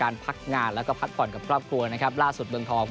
การพักงานแล้วก็พัดผ่อนกับครอบครัวล่าที่สุดเมืองทอง